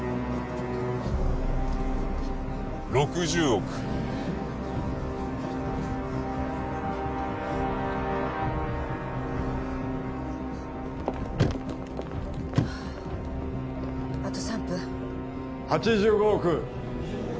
６０億あと３分８５億！